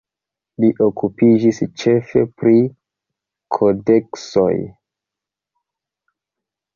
Li okupiĝis ĉefe pri kodeksoj.